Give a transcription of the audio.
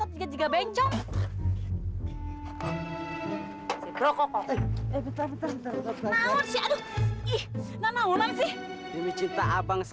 orang tua tapi